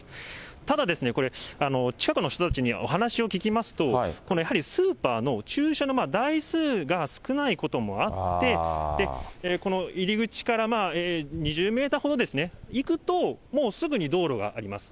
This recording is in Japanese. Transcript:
ただ、これ、近くの人たちにお話を聞きますと、やはりスーパーの駐車の台数が少ないこともあって、この入り口から２０メーターほど行くと、もうすぐに道路があります。